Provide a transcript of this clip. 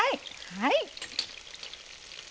はい。